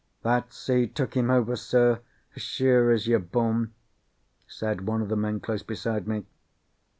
"That sea took him over, sir, as sure as you're born," said one of the men close beside me.